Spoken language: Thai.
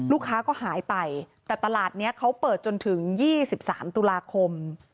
ลูกค้าก็หายไปแต่ตลาดนี้เขาเปิดจนถึง๒๓ตุลาคม